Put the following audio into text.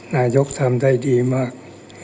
นายกทำได้ดีมาก